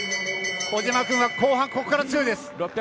小島君は後半から強いです。